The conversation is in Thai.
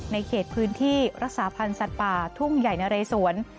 เขตพื้นที่รักษาพันธ์สัตว์ป่าทุ่งใหญ่นะเรสวน